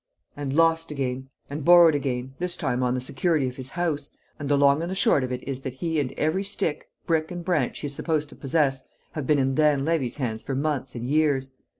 "And lost again, and borrowed again, this time on the security of his house; and the long and short of it is that he and every stick, brick and branch he is supposed to possess have been in Dan Levy's hands for months and years."